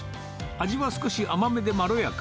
味は少し甘めでまろやか。